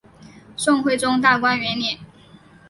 宋徽宗大观元年。